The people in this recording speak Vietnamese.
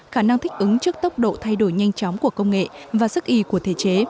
khả năng thích ứng trước tốc độ thay đổi nhanh chóng của công nghệ và sức y của thể chế